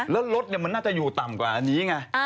แล้วรถมันน่าจะอยู่ต่ำกว่าอันนี้ไง